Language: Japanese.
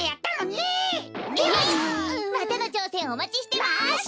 またのちょうせんおまちして。ます！